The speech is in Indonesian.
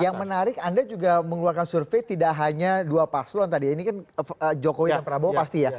yang menarik anda juga mengeluarkan survei tidak hanya dua paslon tadi ya ini kan jokowi dan prabowo pasti ya